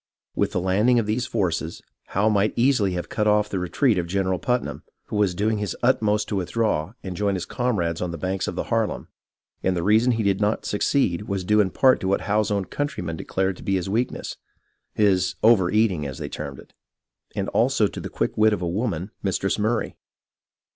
With the landing of these forces, Howe might easily have cut off the retreat of General Putnam, who was do ing his utmost to withdraw, and join his comrades on the banks of the Harlem, and the reason he did not succeed was due in part to what Howe's own countrymen declared to be his weakness, his " over eating " as they termed it, and also to the quick wit of a woman, Mistress Murray.